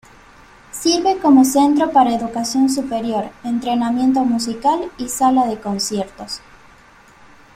Sirve como centro para educación superior, entrenamiento musical, y sala de conciertos.